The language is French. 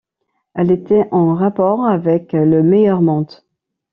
Elle était en rapport avec « le meilleur monde ».